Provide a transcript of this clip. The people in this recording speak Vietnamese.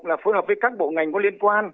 là phối hợp với các bộ ngành có liên quan